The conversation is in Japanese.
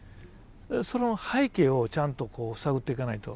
その背景をちゃんと探っていかないと。